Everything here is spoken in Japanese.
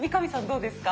どうですか？